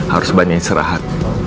harus banyak istirahat